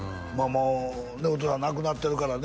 もうねお父さん亡くなってるからね